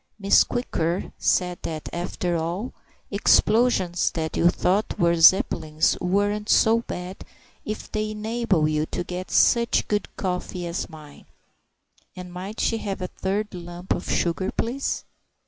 Miss Quicker said that, after all, explosions that you thought were Zeppelins weren't so bad if they enabled you to get such good coffee as mine; and might she have a third lump of sugar, please?